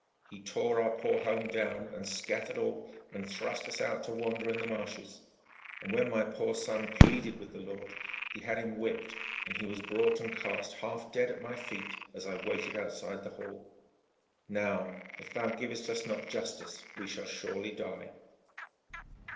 He tore our poor home down, and scattered all, and thrust us out to wander in the marshes; and when my poor son pleaded with the lord, he had him whipped, and he was brought and cast half dead at my feet as I waited outside the hall. Now if thou givest us not justice, we shall surely die.'